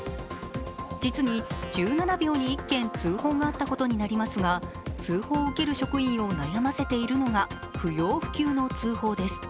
実に１７秒に１件通報があったことになりますが通報を受ける職員を悩ませているのが不要不急の通報です。